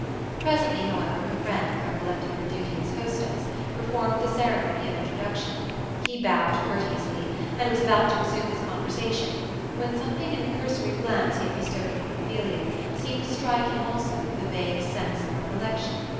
Presently however, her friend, recollecting her duty as hostess, per formed the ceremony of introduction. He bowed courteously ; and was about to resume his oonversation, when something, in the cursory glance he had bestowed upon Ophelia,' seemed to strike him, also, with a vague sense of recollection.